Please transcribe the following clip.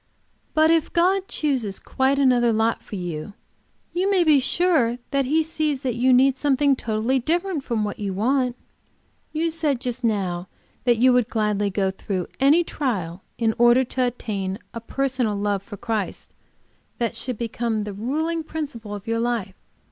"But if God chooses quite another lot for you, you may be sure that He sees that you need something totally different from what you want. You just now that you would gladly go through any trial in order to attain a personal love to Christ that should become the ruling principle of your life.